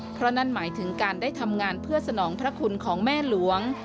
เพราะนั่นหมายถึงการได้ทำงานเพื่อสนองพระคุณของแม่หลวง